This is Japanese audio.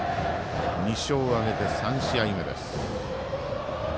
２勝を挙げて、３試合目。